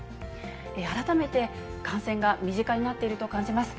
改めて、感染が身近になっていると感じます。